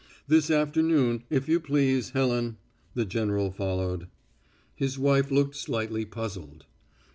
"This afternoon, if you please, Helen," the general followed. His wife looked slightly puzzled.